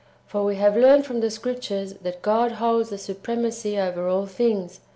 For we have learned from the Scriptures that God holds the supremacy over all things.